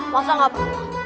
masa nggak pernah